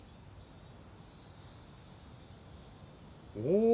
お！